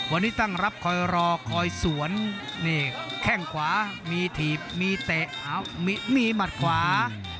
วันนี้ตั้งรับคอยรอคอยสวนนี่แข้งขวามีถีบมีเตะมีหมัดขวา